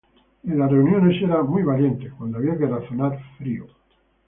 En las reuniones era actuando muy valiente, cuando había que razonar, frío.